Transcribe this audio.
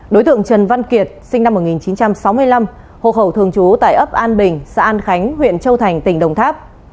đối tượng trần văn kiệt sinh năm một nghìn chín trăm sáu mươi năm hộ khẩu thường trú tại ấp an bình xã an khánh huyện châu thành tỉnh đồng tháp